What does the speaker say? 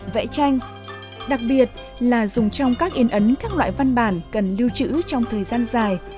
vẽ tranh đặc biệt là dùng trong các yên ấn các loại văn bản cần lưu trữ trong thời gian dài